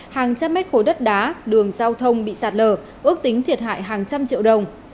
hàng trăm mét khối đất đá đường giao thông bị sạt lở ước tính thiệt hại hàng trăm triệu đồng